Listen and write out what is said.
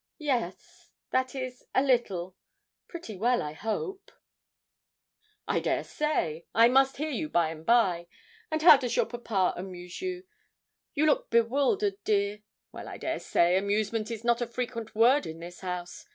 'Yes that is, a little pretty well, I hope.' 'I dare say. I must hear you by and by. And how does your papa amuse you? You look bewildered, dear. Well, I dare say, amusement is not a frequent word in this house.